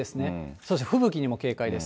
そして吹雪にも警戒です。